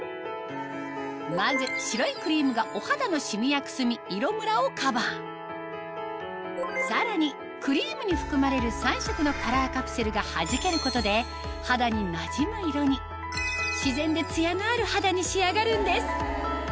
まず白いクリームがお肌のシミやくすみ色むらをカバーさらにクリームに含まれる３色のカラーカプセルがはじけることで肌になじむ色に自然でツヤのある肌に仕上がるんです